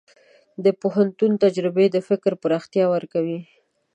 د پوهنتون تجربې د فکر پراختیا ورکوي.